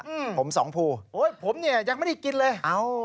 อืมผมสองภูโอ้ยผมเนี้ยยังไม่ได้กินเลยเอ้า